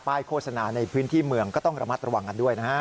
โฆษณาในพื้นที่เมืองก็ต้องระมัดระวังกันด้วยนะฮะ